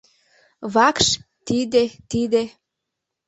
Вакш — тиде... тиде...